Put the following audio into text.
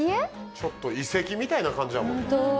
ちょっと遺跡みたいな感じやもん。